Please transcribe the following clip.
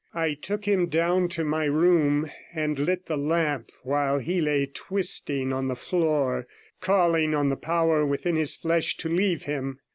I took him down to my room and lit the lamp, while he lay twisting on the floor, calling on the power within his flesh to leave him.